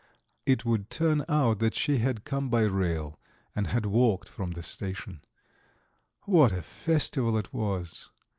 It would turn out that she had come by rail, and had walked from the station. What a festival it was!